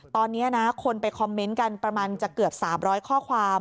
ตอนนี้นะคนไปคอมเมนต์กันประมาณจะเกือบ๓๐๐ข้อความ